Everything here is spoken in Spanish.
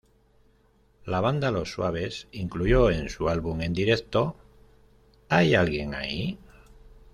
La banda Los Suaves incluyó en su álbum en directo "¿Hay alguien ahí?